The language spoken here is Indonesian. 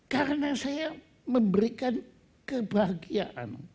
karena saya memberikan kebahagiaan